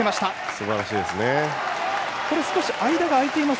すばらしいです。